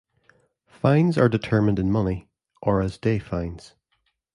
Fines are determined in money, or as day fines.